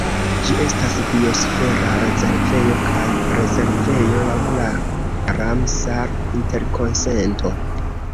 Ĝi estas biosfera rezervejo kaj rezervejo laŭ la Ramsar-Interkonsento.